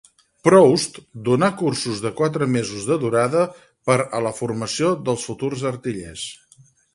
Proust donà cursos de quatre mesos de durada per a la formació dels futurs artillers.